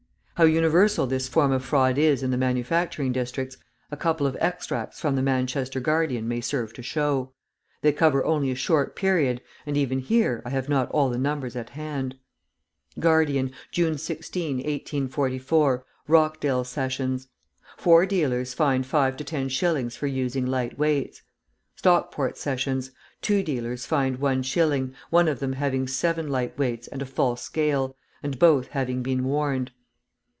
How universal this form of fraud is in the manufacturing districts, a couple of extracts from the Manchester Guardian may serve to show. They cover only a short period, and, even here, I have not all the numbers at hand: Guardian, June 16, 1844, Rochdale Sessions. Four dealers fined five to ten shillings for using light weights. Stockport Sessions. Two dealers fined one shilling, one of them having seven light weights and a false scale, and both having been warned.